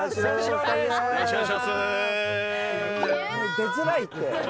出づらいって。